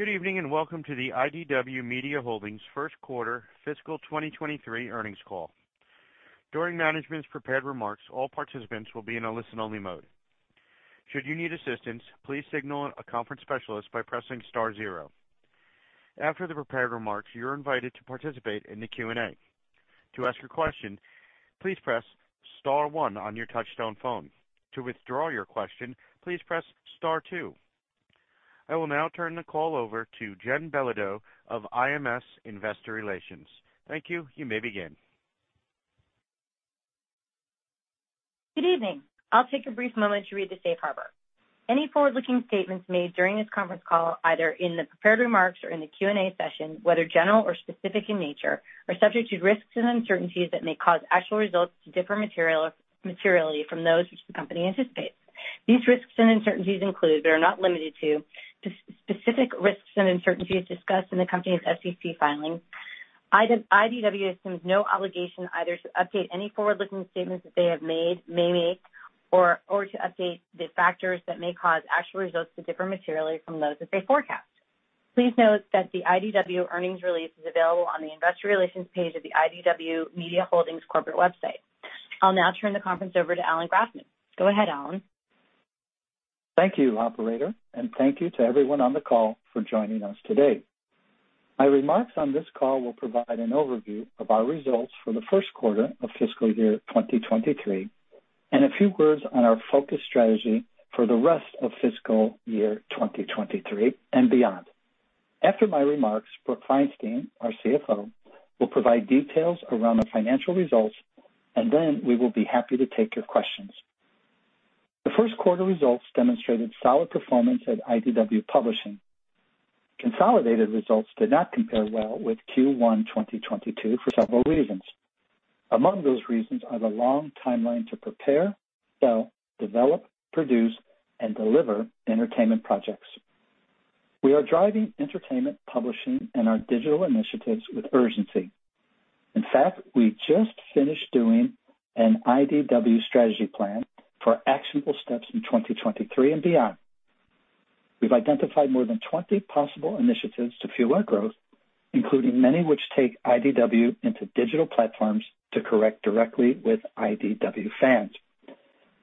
Good evening, and welcome to the IDW Media Holdings first quarter fiscal 2023 earnings call. During management's prepared remarks, all participants will be in a listen-only mode. Should you need assistance, please signal a conference specialist by pressing star zero. After the prepared remarks, you're invited to participate in the Q&A. To ask your question, please press star one on your touchtone phone. To withdraw your question, please press star two. I will now turn the call over to Jen Belodeau of IMS Investor Relations. Thank you. You may begin. Good evening. I'll take a brief moment to read the safe harbor. Any forward-looking statements made during this conference call, either in the prepared remarks or in the Q&A session, whether general or specific in nature, are subject to risks and uncertainties that may cause actual results to differ materially from those which the company anticipates. These risks and uncertainties include, but are not limited to, specific risks and uncertainties discussed in the company's SEC filings. IDW assumes no obligation either to update any forward-looking statements that they have made, may make, or to update the factors that may cause actual results to differ materially from those that they forecast. Please note that the IDW earnings release is available on the investor relations page of the IDW Media Holdings corporate website. I'll now turn the conference over to Allan Grafman. Go ahead, Allan. Thank you, operator, and thank you to everyone on the call for joining us today. My remarks on this call will provide an overview of our results for the first quarter of fiscal year 2023 and a few words on our focus strategy for the rest of fiscal year 2023 and beyond. After my remarks, Brooke Feinstein, our CFO, will provide details around the financial results, and then we will be happy to take your questions. The first quarter results demonstrated solid performance at IDW Publishing. Consolidated results did not compare well with Q1 2022 for several reasons. Among those reasons are the long timeline to prepare, sell, develop, produce, and deliver entertainment projects. We are driving entertainment publishing and our digital initiatives with urgency. In fact, we just finished doing an IDW strategy plan for actionable steps in 2023 and beyond. We've identified more than 20 possible initiatives to fuel our growth, including many which take IDW into digital platforms to correct directly with IDW fans.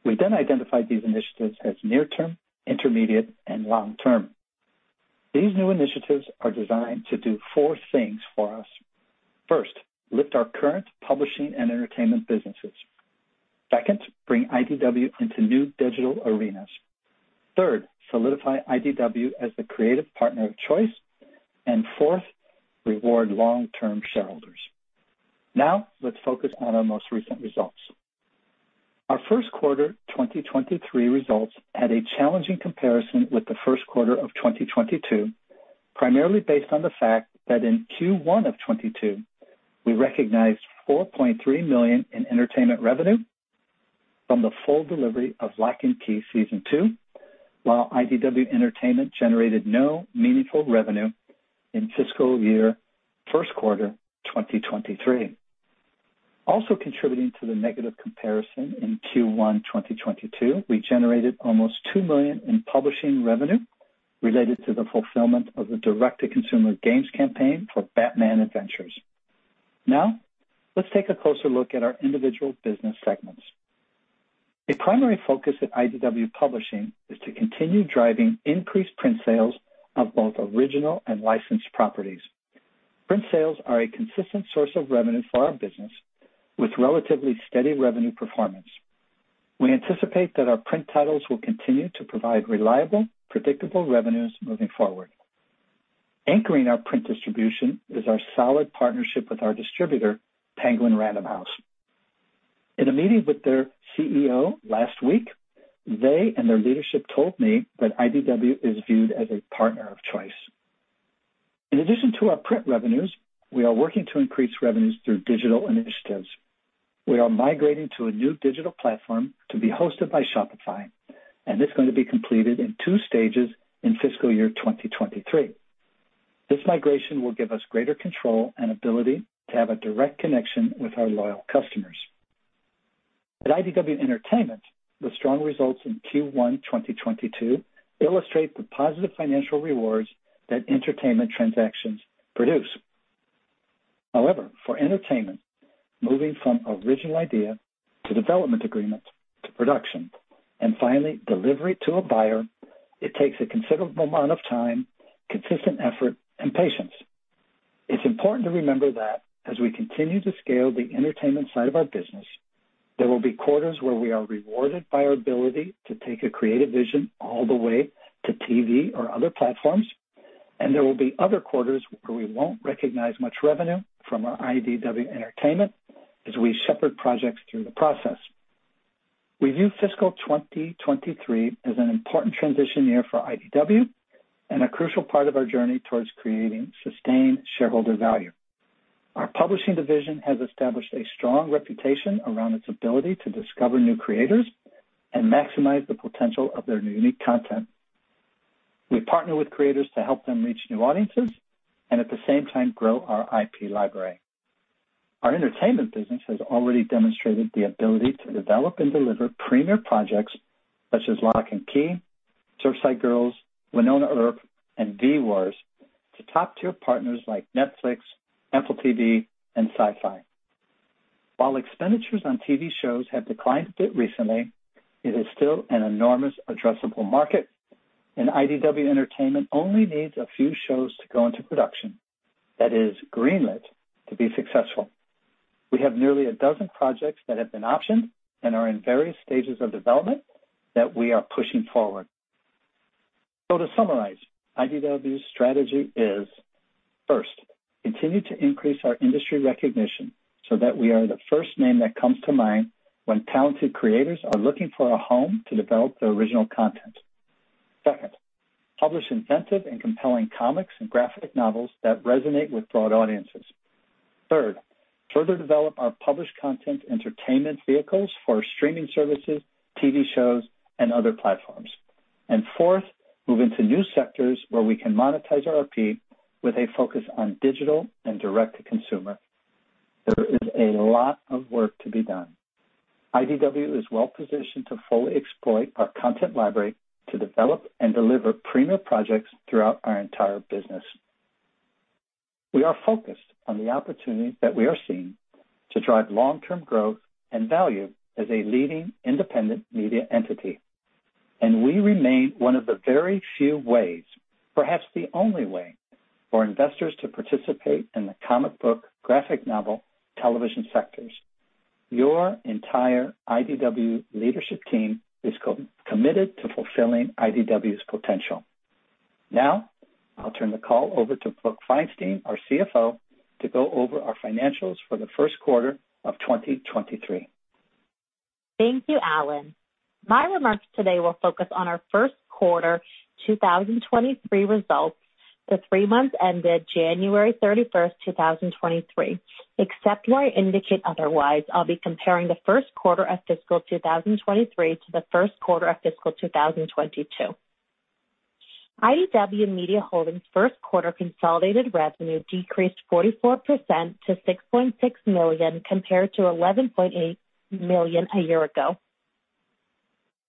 We identified these initiatives as near term, intermediate, and long term. These new initiatives are designed to do four things for us. First, lift our current publishing and entertainment businesses. Second, bring IDW into new digital arenas. Third, solidify IDW as the creative partner of choice. Fourth, reward long-term shareholders. Let's focus on our most recent results. Our first quarter 2023 results had a challenging comparison with the first quarter of 2022, primarily based on the fact that in Q1 of 2022 we recognized $4.3 million in entertainment revenue from the full delivery of Locke & Key – Season 2, while IDW Entertainment generated no meaningful revenue in fiscal year first quarter 2023. Contributing to the negative comparison, in Q1 2022, we generated almost $2 million in publishing revenue related to the fulfillment of the direct-to-consumer games campaign for Batman Adventures. Let's take a closer look at our individual business segments. A primary focus at IDW Publishing is to continue driving increased print sales of both original and licensed properties. Print sales are a consistent source of revenue for our business, with relatively steady revenue performance. We anticipate that our print titles will continue to provide reliable, predictable revenues moving forward. Anchoring our print distribution is our solid partnership with our distributor, Penguin Random House. In a meeting with their CEO last week, they and their leadership told me that IDW is viewed as a partner of choice. In addition to our print revenues, we are working to increase revenues through digital initiatives. We are migrating to a new digital platform to be hosted by Shopify. It's going to be completed in two stages in fiscal year 2023. This migration will give us greater control and ability to have a direct connection with our loyal customers. At IDW Entertainment, the strong results in Q1 2022 illustrate the positive financial rewards that entertainment transactions produce. However, for entertainment, moving from original idea to development agreement to production and finally delivery to a buyer, it takes a considerable amount of time, consistent effort, and patience. It's important to remember that as we continue to scale the entertainment side of our business, there will be quarters where we are rewarded by our ability to take a creative vision all the way to TV or other platforms. There will be other quarters where we won't recognize much revenue from our IDW Entertainment as we shepherd projects through the process. We view fiscal 2023 as an important transition year for IDW and a crucial part of our journey towards creating sustained shareholder value. Our publishing division has established a strong reputation around its ability to discover new creators and maximize the potential of their unique content. We partner with creators to help them reach new audiences and at the same time grow our IP library. Our entertainment business has already demonstrated the ability to develop and deliver premier projects such as Locke & Key, Surfside Girls, Wynonna Earp, and V-Wars to top-tier partners like Netflix, Apple TV, and Syfy. While expenditures on TV shows have declined a bit recently, it is still an enormous addressable market, and IDW Entertainment only needs a few shows to go into production that is greenlit to be successful. We have nearly a dozen projects that have been optioned and are in various stages of development that we are pushing forward. To summarize, IDW's strategy is, first, continue to increase our industry recognition so that we are the first name that comes to mind when talented creators are looking for a home to develop their original content. Second, publish inventive and compelling comics and graphic novels that resonate with broad audiences. Third, further develop our published content entertainment vehicles for streaming services, TV shows, and other platforms. Fourth, move into new sectors where we can monetize our IP with a focus on digital and direct-to-consumer. There is a lot of work to be done. IDW is well positioned to fully exploit our content library to develop and deliver premier projects throughout our entire business. We are focused on the opportunity that we are seeing to drive long-term growth and value as a leading independent media entity. We remain one of the very few ways, perhaps the only way, for investors to participate in the comic book graphic novel television sectors. Your entire IDW leadership team is co-committed to fulfilling IDW's potential. Now, I'll turn the call over to Brooke Feinstein, our CFO, to go over our financials for the first quarter of 2023. Thank you, Allan. My remarks today will focus on our first quarter 2023 results, the 3 months ended January 31st, 2023. Except where I indicate otherwise, I'll be comparing the first quarter of fiscal 2023 to the first quarter of fiscal 2022. IDW Media Holdings first quarter consolidated revenue decreased 44% to $6.6 million compared to $11.8 million a year ago.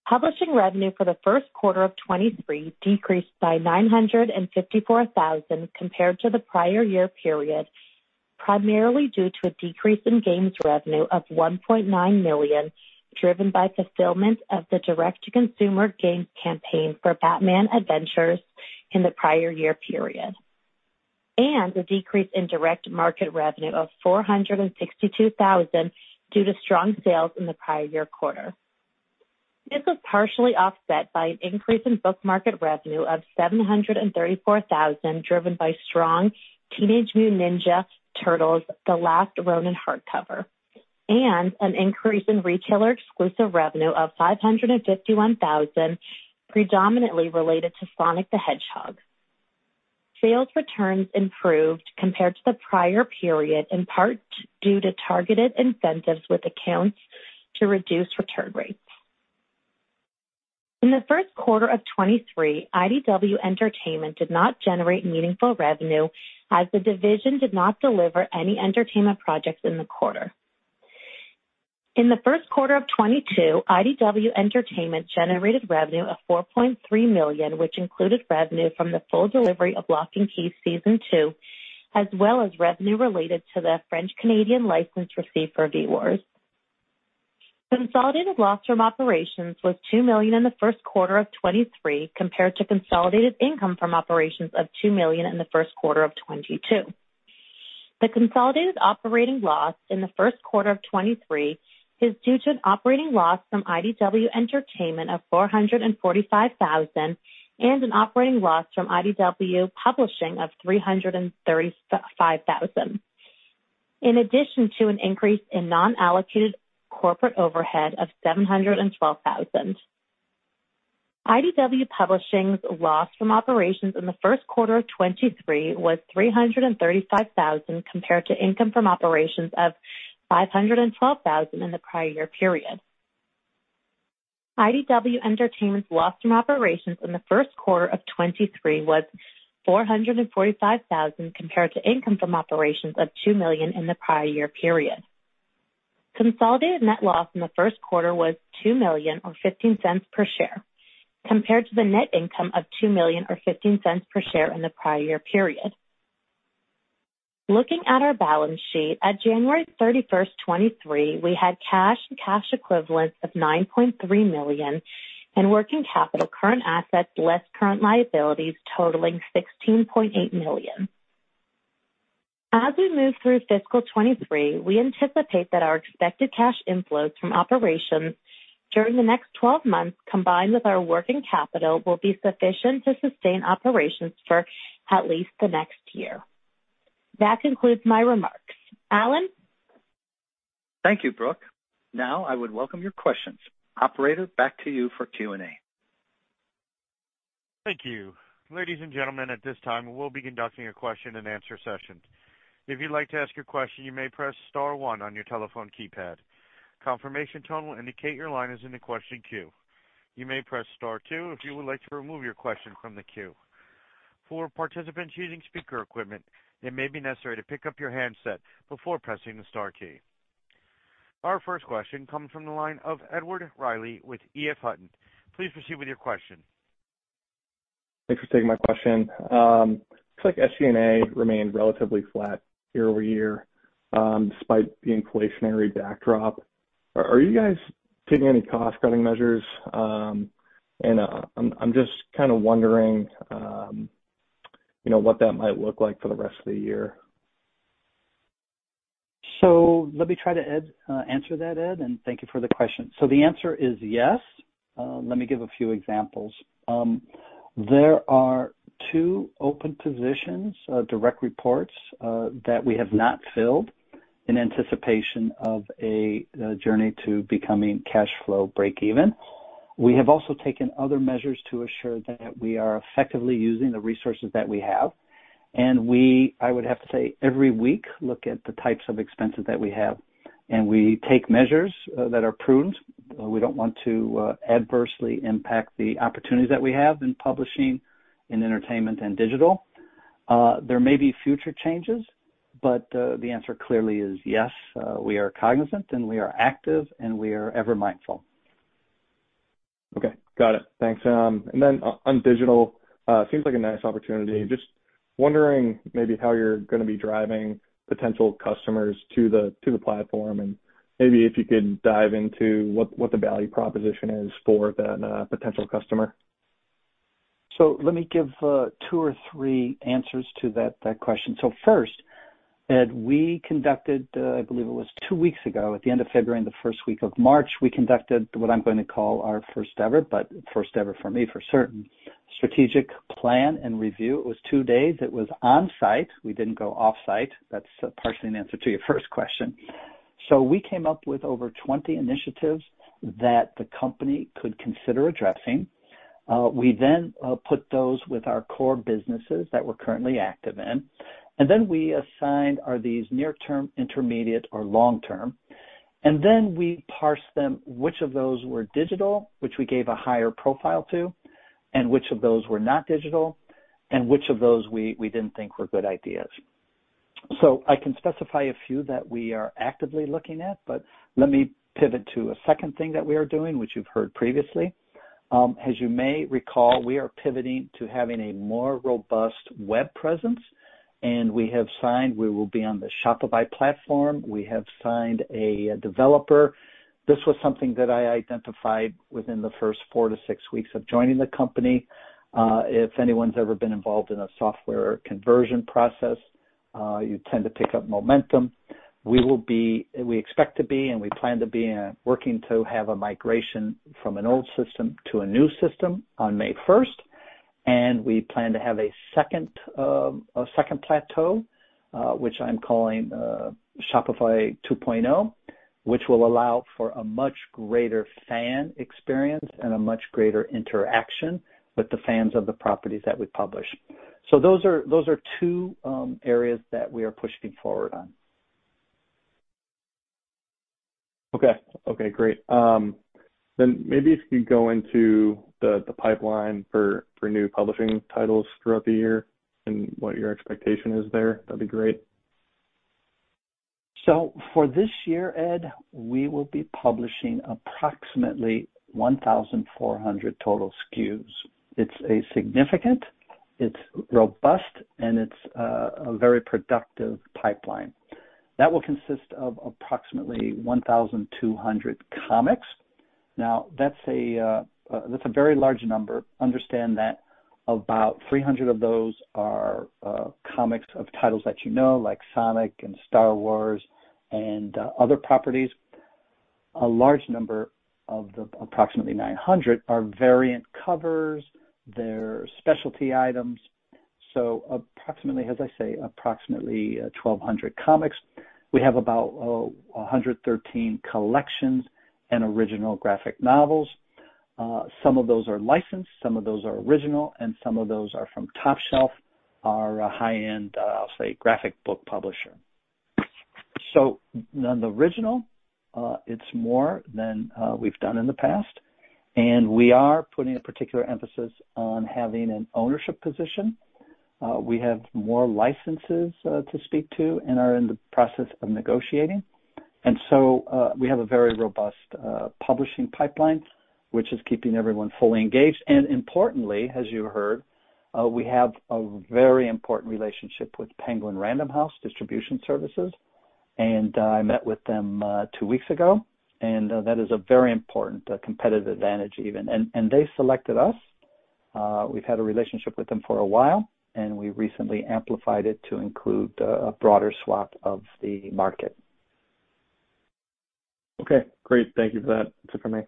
Publishing revenue for the first quarter of 2023 decreased by $954,000 compared to the prior year period, primarily due to a decrease in games revenue of $1.9 million, driven by fulfillment of the direct-to-consumer games campaign for Batman Adventures in the prior year period, and a decrease in direct market revenue of $462,000 due to strong sales in the prior year quarter. This was partially offset by an increase in book market revenue of $734,000, driven by strong Teenage Mutant Ninja Turtles: The Last Ronin hardcover, and an increase in retailer exclusive revenue of $551,000 predominantly related to Sonic the Hedgehog. Sales returns improved compared to the prior period, in part due to targeted incentives with accounts to reduce return rates. In the first quarter of 2023, IDW Entertainment did not generate meaningful revenue as the division did not deliver any entertainment projects in the quarter. In the first quarter of 2022, IDW Entertainment generated revenue of $4.3 million, which included revenue from the full delivery of Locke & Key – Season 2, as well as revenue related to the French-Canadian license received for V-Wars. Consolidated loss from operations was $2 million in the first quarter of 2023 compared to consolidated income from operations of $2 million in the first quarter of 2022. The consolidated operating loss in the first quarter of 2023 is due to an operating loss from IDW Entertainment of $445,000 and an operating loss from IDW Publishing of $335,000, in addition to an increase in non-allocated corporate overhead of $712,000. IDW Publishing's loss from operations in the first quarter of 2023 was $335,000 compared to income from operations of $512,000 in the prior year period. IDW Entertainment's loss from operations in the first quarter of 2023 was $445,000 compared to income from operations of $2 million in the prior year period. Consolidated net loss in the first quarter was $2 million or $0.15 per share, compared to the net income of $2 million or $0.15 per share in the prior year period. Looking at our balance sheet, at January 31st, 2023, we had cash and cash equivalents of $9.3 million and working capital current assets less current liabilities totaling $16.8 million. As we move through fiscal 2023, we anticipate that our expected cash inflows from operations during the next 12 months, combined with our working capital, will be sufficient to sustain operations for at least the next year. That concludes my remarks. Alan? Thank you, Brooke. Now, I would welcome your questions. Operator, back to you for Q&A. Thank you. Ladies and gentlemen, at this time, we'll be conducting a question and answer session. If you'd like to ask your question, you may press star one on your telephone keypad. Confirmation tone will indicate your line is in the question queue. You may press star two if you would like to remove your question from the queue. For participants using speaker equipment, it may be necessary to pick up your handset before pressing the star key. Our first question comes from the line of Edward Reilly with EF Hutton. Please proceed with your question. Thanks for taking my question. Looks like SG&A remained relatively flat year-over-year, despite the inflationary backdrop. Are you guys taking any cost-cutting measures? I'm just kinda wondering, you know, what that might look like for the rest of the year. Let me try to answer that, Ed, and thank you for the question. The answer is yes. Let me give a few examples. There are two open positions, direct reports, that we have not filled in anticipation of a journey to becoming cash flow breakeven. We have also taken other measures to assure that we are effectively using the resources that we have. We, I would have to say, every week look at the types of expenses that we have. We take measures that are prudent. We don't want to adversely impact the opportunities that we have in publishing, in entertainment, and digital. There may be future changes, but the answer clearly is yes. We are cognizant, and we are active, and we are ever mindful. Okay. Got it. Thanks. On digital seems like a nice opportunity. Just wondering maybe how you're gonna be driving potential customers to the platform, and maybe if you could dive into what the value proposition is for that potential customer. Let me give 2 or 3 answers to that question. First, Ed, we conducted, I believe it was 2 weeks ago, at the end of February and the 1st week of March, we conducted what I'm going to call our 1st ever, but 1st ever for me for certain, strategic plan and review. It was 2 days. It was on-site. We didn't go off-site. That's partially an answer to your 1st question. We came up with over 20 initiatives that the company could consider addressing. We then put those with our core businesses that we're currently active in, and then we assigned are these near term, intermediate, or long term. We parsed them, which of those were digital, which we gave a higher profile to, and which of those were not digital, and which of those we didn't think were good ideas. I can specify a few that we are actively looking at, but let me pivot to a second thing that we are doing, which you've heard previously. As you may recall, we are pivoting to having a more robust web presence, and we will be on the Shopify platform. We have signed a developer. This was something that I identified within the first 4 to 6 weeks of joining the company. If anyone's ever been involved in a software conversion process, you tend to pick up momentum. We expect to be, and we plan to be in working to have a migration from an old system to a new system on May first. We plan to have a second plateau, which I'm calling Shopify 2.0, which will allow for a much greater fan experience and a much greater interaction with the fans of the properties that we publish. Those are two areas that we are pushing forward on. Okay. Okay, great. Maybe if you go into the pipeline for new publishing titles throughout the year and what your expectation is there, that'd be great. For this year, Ed, we will be publishing approximately 1,400 total SKUs. It's a significant, it's robust, and it's a very productive pipeline. That will consist of approximately 1,200 comics. That's a very large number. Understand that about 300 of those are comics of titles that you know, like Sonic and Star Wars and other properties. A large number of the approximately 900 are variant covers. They're specialty items. Approximately, as I say, approximately 1,200 comics. We have about 113 collections and original graphic novels. Some of those are licensed, some of those are original, and some of those are from Top Shelf, our high-end, I'll say graphic book publisher. On the original, it's more than we've done in the past, and we are putting a particular emphasis on having an ownership position. We have more licenses to speak to and are in the process of negotiating. We have a very robust publishing pipeline, which is keeping everyone fully engaged. Importantly, as you heard, we have a very important relationship with Penguin Random House Distribution Services. I met with them two weeks ago, and that is a very important competitive advantage even. They selected us. We've had a relationship with them for a while, and we recently amplified it to include a broader swath of the market. Okay, great. Thank you for that. That's it for me.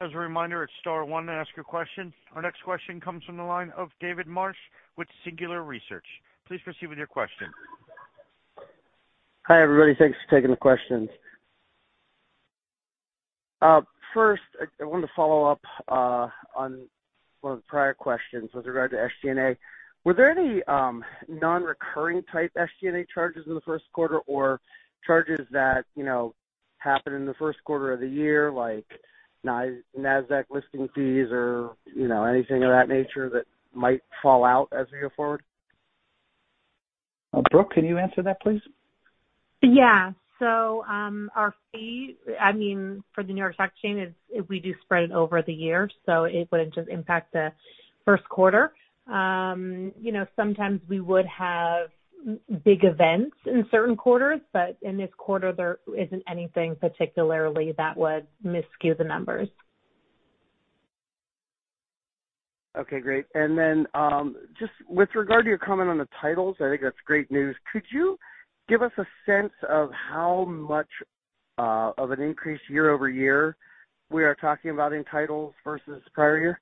As a reminder, it's star one to ask a question. Our next question comes from the line of David Marsh with Singular Research. Please proceed with your question. Hi, everybody. Thanks for taking the questions. first, I wanted to follow up on one of the prior questions with regard to SG&A. Were there any non-recurring type SG&A charges in the first quarter or charges that, you know, happen in the first quarter of the year, like Nasdaq listing fees or, you know, anything of that nature that might fall out as we go forward? Brooke, can you answer that please? Yeah. Our fee, I mean, for the New York Stock Exchange is we do spread it over the year, so it wouldn't just impact the first quarter. You know, sometimes we would have big events in certain quarters, but in this quarter there isn't anything particularly that would miscue the numbers. Okay, great. Then, just with regard to your comment on the titles, I think that's great news. Could you give us a sense of how much of an increase year-over-year we are talking about in titles versus prior year?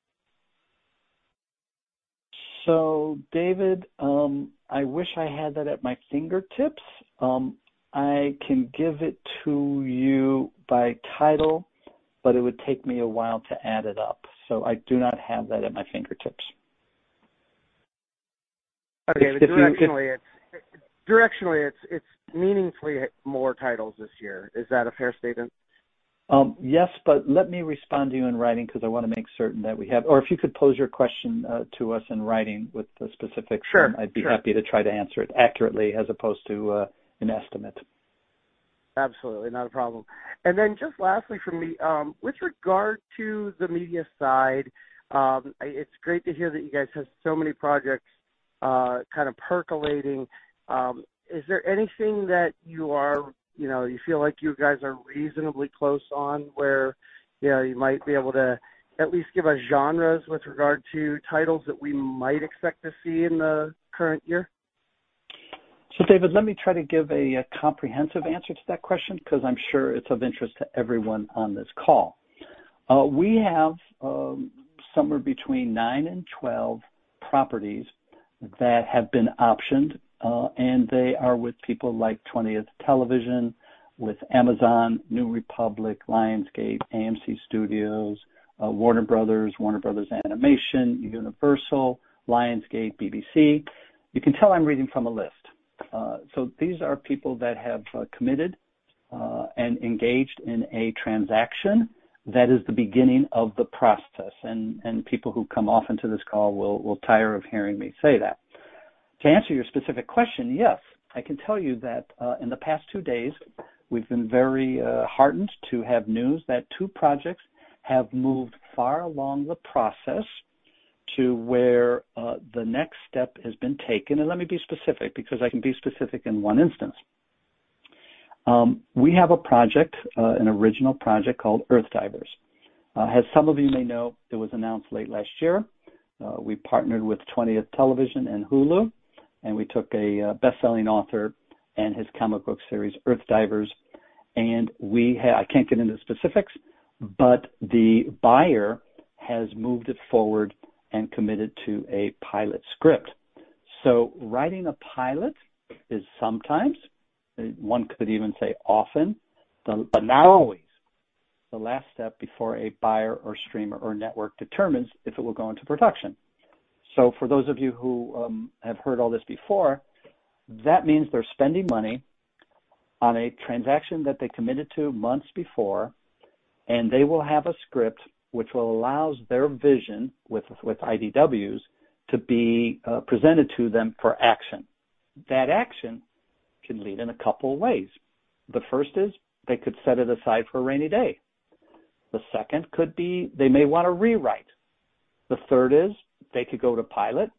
David, I wish I had that at my fingertips. I can give it to you by title, but it would take me a while to add it up. I do not have that at my fingertips. Okay. Directionally it's meaningfully more titles this year. Is that a fair statement? Yes, but let me respond to you in writing because I want to make certain that we have if you could pose your question to us in writing with the specifics. Sure. Sure. I'd be happy to try to answer it accurately as opposed to, an estimate. Absolutely. Not a problem. Just lastly from me, with regard to the media side, it's great to hear that you guys have so many projects, kind of percolating. Is there anything that you are, you know, you feel like you guys are reasonably close on where, you know, you might be able to at least give us genres with regard to titles that we might expect to see in the current year? David Marsh, let me try to give a comprehensive answer to that question because I'm sure it's of interest to everyone on this call. We have somewhere between 9 and 12 properties that have been optioned, and they are with people like 20th Television, with Amazon, New Republic Pictures, Lionsgate, AMC Studios, Warner Bros., Warner Bros. Animation, Universal Pictures, Lionsgate, BBC. You can tell I'm reading from a list. These are people that have committed and engaged in a transaction that is the beginning of the process. People who come often to this call will tire of hearing me say that. To answer your specific question, yes. I can tell you that, in the past two days, we've been very heartened to have news that two projects have moved far along the process to where the next step has been taken. Let me be specific because I can be specific in one instance. We have a project, an original project called Earthdivers. As some of you may know, it was announced late last year. We partnered with 20th Television and Hulu, and we took a best-selling author and his comic book series, Earthdivers, and I can't get into specifics, but the buyer has moved it forward and committed to a pilot script. Writing a pilot is sometimes, one could even say often, but not always, the last step before a buyer or streamer or network determines if it will go into production. For those of you who have heard all this before, that means they're spending money on a transaction that they committed to months before, and they will have a script which will allows their vision with IDW's to be presented to them for action. That action can lead in a couple of ways. The first is they could set it aside for a rainy day. The second could be they may want to rewrite. The third is they could go to pilot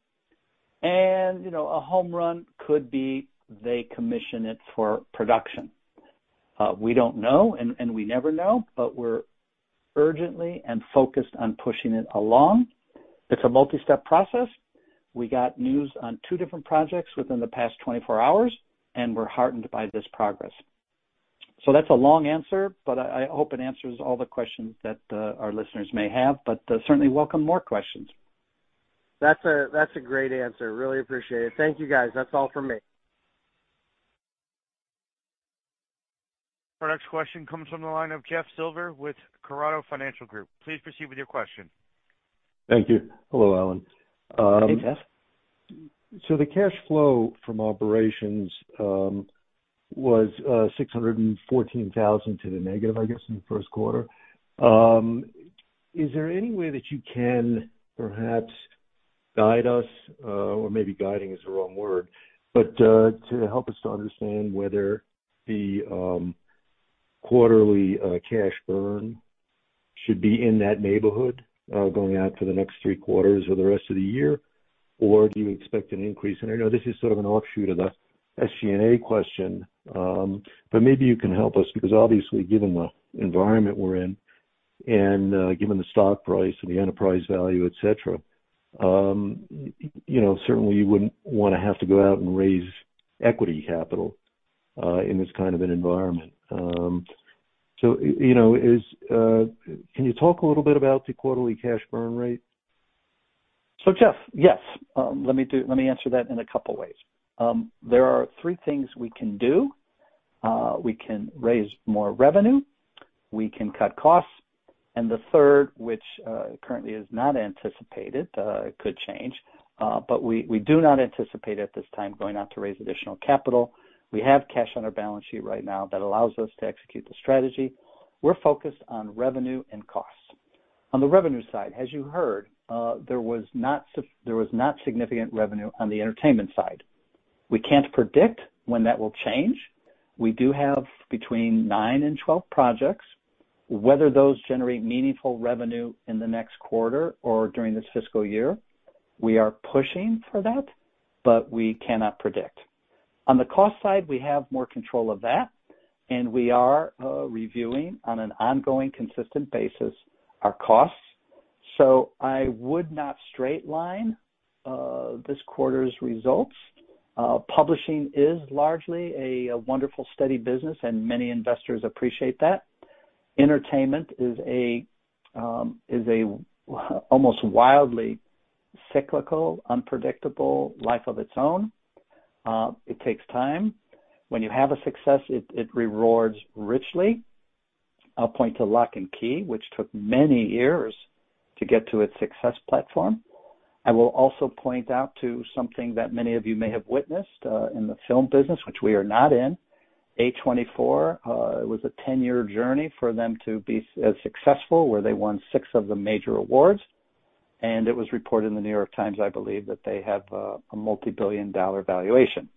and, you know, a home run could be they commission it for production. We don't know and we never know, but we're urgently and focused on pushing it along. It's a multi-step process. We got news on two different projects within the past 24 hours, and we're heartened by this progress. That's a long answer, but I hope it answers all the questions that our listeners may have. Certainly welcome more questions. That's a great answer. Really appreciate it. Thank you, guys. That's all for me. Our next question comes from the line of Jeff Silver with Corrado Financial Group. Please proceed with your question. Thank you. Hello, Allan. Hey, Jeff. The cash flow from operations was $614,000 to the negative, I guess, in the first quarter. Is there any way that you can perhaps guide us, or maybe guiding is the wrong word, but to help us to understand whether the quarterly cash burn should be in that neighborhood going out for the next 3 quarters or the rest of the year? Or do you expect an increase? I know this is sort of an offshoot of the SG&A question, but maybe you can help us because obviously given the environment we're in and given the stock price and the enterprise value, et cetera, you know, certainly you wouldn't wanna have to go out and raise equity capital in this kind of an environment. You know, can you talk a little bit about the quarterly cash burn rate? Jeff, yes. Let me answer that in a couple ways. There are 3 things we can do. We can raise more revenue. We can cut costs. The 3rd, which currently is not anticipated, could change. We do not anticipate at this time going out to raise additional capital. We have cash on our balance sheet right now that allows us to execute the strategy. We're focused on revenue and costs. On the revenue side, as you heard, there was not significant revenue on the entertainment side. We can't predict when that will change. We do have between 9 and 12 projects. Whether those generate meaningful revenue in the next quarter or during this fiscal year, we are pushing for that, but we cannot predict. On the cost side, we have more control of that, and we are reviewing on an ongoing consistent basis our costs. I would not straight line this quarter's results. Publishing is largely a wonderful, steady business, and many investors appreciate that. Entertainment is almost wildly cyclical, unpredictable life of its own. It takes time. When you have a success, it rewards richly. I'll point to Locke & Key, which took many years to get to its success platform. I will also point out to something that many of you may have witnessed in the film business, which we are not in. A24 was a 10 year journey for them to be as successful where they won 6 of the major awards. It was reported in The New York Times, I believe, that they have a multi-billion dollar valuation.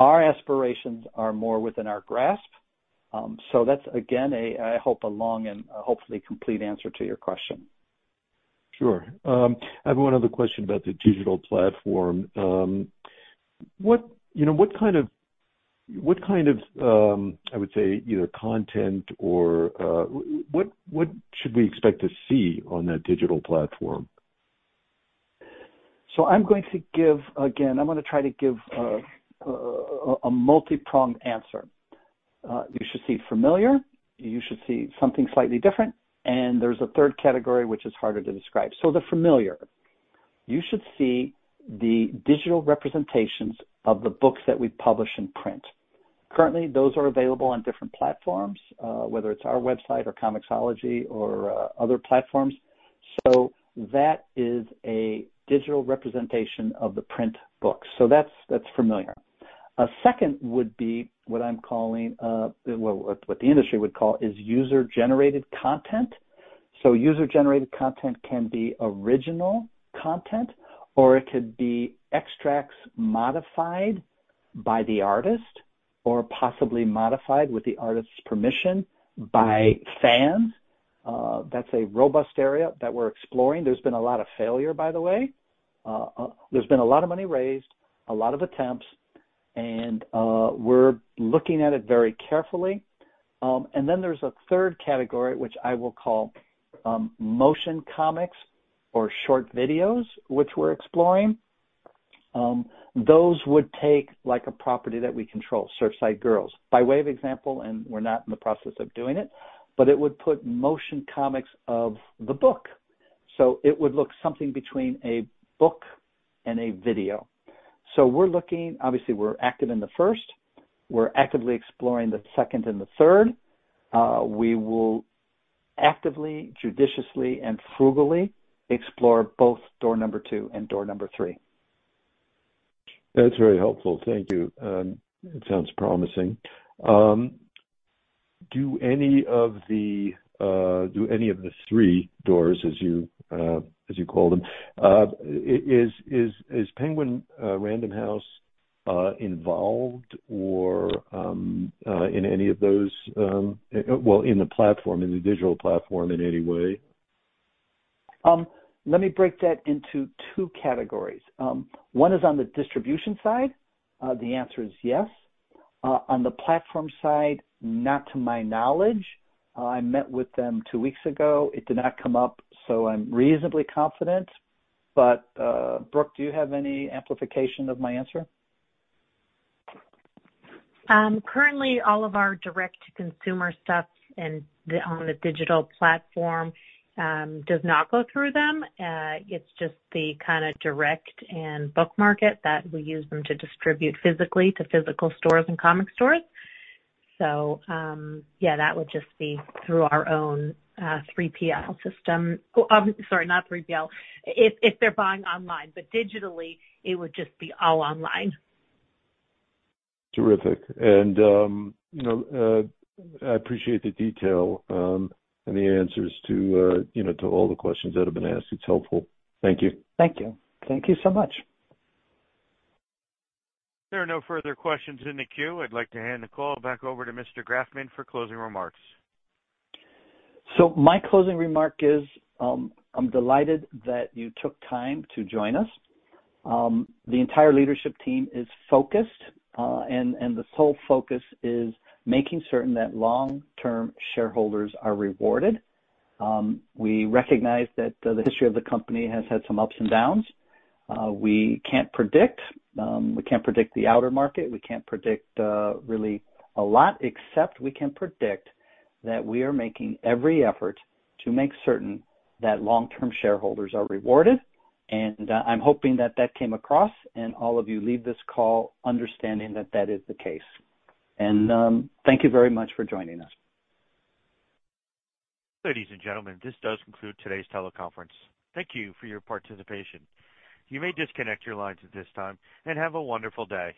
Our aspirations are more within our grasp. So that's again, a, I hope, a long and hopefully complete answer to your question. Sure. I have one other question about the digital platform. What, you know, what kind of, I would say, either content or, what should we expect to see on that digital platform? I'm going to give, again, I'm gonna try to give a multi-pronged answer. You should see familiar, you should see something slightly different, and there's a third category which is harder to describe. The familiar. You should see the digital representations of the books that we publish in print. Currently, those are available on different platforms, whether it's our website or ComiXology or other platforms. That is a digital representation of the print books. That's familiar. A second would be what I'm calling, well, what the industry would call is user-generated content. User-generated content can be original content or it could be extracts modified by the artist or possibly modified with the artist's permission by fans. That's a robust area that we're exploring. There's been a lot of failure, by the way. There's been a lot of money raised, a lot of attempts, and we're looking at it very carefully. There's a third category, which I will call motion comics or short videos, which we're exploring. Those would take like a property that we control, Surfside Girls. By way of example, and we're not in the process of doing it, but it would put motion comics of the book. It would look something between a book and a video. We're looking. Obviously, we're active in the first. We're actively exploring the second and the third. We will actively, judiciously, and frugally explore both door number 2 and door number 3. That's very helpful. Thank you. It sounds promising. Do any of the three doors, as you call them, is Penguin Random House involved or in any of those, well, in the platform, in the digital platform in any way? Let me break that into 2 categories. 1 is on the distribution side. The answer is yes. On the platform side, not to my knowledge. I met with them 2 weeks ago. It did not come up, so I'm reasonably confident. Brooke, do you have any amplification of my answer? Currently all of our direct-to-consumer stuff on the digital platform does not go through them. It's just the kinda direct and book market that we use them to distribute physically to physical stores and comic stores. Yeah, that would just be through our own 3PL system. Sorry, not 3PL. If they're buying online, but digitally, it would just be all online. Terrific. You know, I appreciate the detail, and the answers to, you know, to all the questions that have been asked. It's helpful. Thank you. Thank you. Thank you so much. There are no further questions in the queue. I'd like to hand the call back over to Mr. Grafman for closing remarks. My closing remark is, I'm delighted that you took time to join us. The entire leadership team is focused, and the sole focus is making certain that long-term shareholders are rewarded. We recognize that the history of the company has had some ups and downs. We can't predict. We can't predict the outer market. We can't predict really a lot, except we can predict that we are making every effort to make certain that long-term shareholders are rewarded. I'm hoping that that came across and all of you leave this call understanding that that is the case. Thank you very much for joining us. Ladies and gentlemen, this does conclude today's teleconference. Thank you for your participation. You may disconnect your lines at this time, and have a wonderful day.